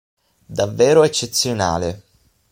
Davvero eccezionale.